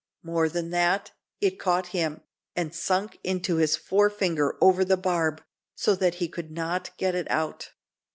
More than that it caught him, and sunk into his forefinger over the barb, so that he could not get it out.